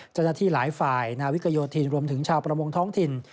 เจ้าหน้าที่หลายฝ่ายนาวิกโยธินรวมถึงชาวประมงท้องถิ่น